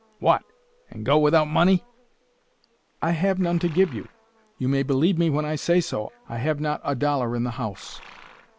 "What, and go without money!" "I have none to give you. You may believe me when I say so. I have not a dollar in the house."